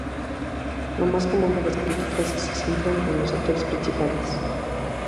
Lo más común de las críticas se centran en los actores principales.